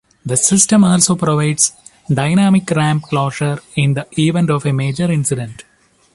The system also provides dynamic ramp closure in the event of a major incident.